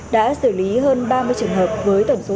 đã xử lý hơn ba mươi trường hợp với tổng số